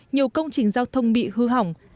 nhiều công trình giao thông bị hư hỏng